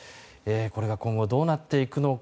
これが今後どうなっていくのか。